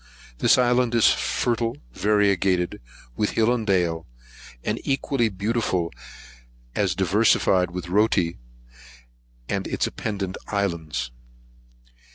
This island is fertile, variegated with hill and dale, and equally beautiful as diversified with Rotti, and its appendant isles.